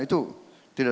itu harus diperhatikan